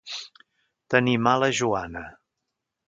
Tenir mala joana.